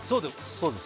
そうです